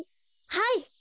はい。